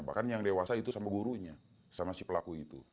bahkan yang dewasa itu sama gurunya sama si pelaku itu